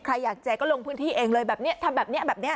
ใครอยากแจก็ลงพื้นที่เองเลยแบบนี้ทำแบบนี้แบบนี้